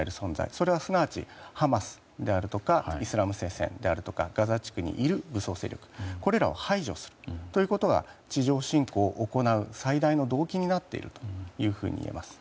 それはすなわちハマスであるとかイスラム聖戦であるとかガザ地区にいる武装勢力を排除するということが地上侵攻を行う最大の動機になっているといえます。